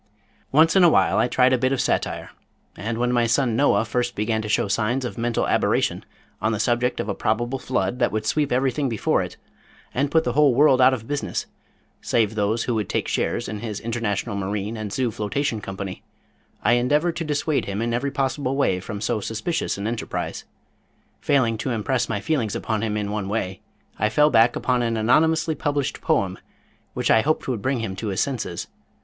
Once in awhile I tried a bit of satire, and when my son Noah first began to show signs of mental aberration on the subject of a probable flood that would sweep everything before it, and put the whole world out of business save those who would take shares in his International Marine and Zoo Flotation Company, I endeavored to dissuade him in every possible way from so suspicious an enterprise. Failing to impress my feelings upon him in one way, I fell back upon an anonymously published poem, which I hoped would bring him to his senses.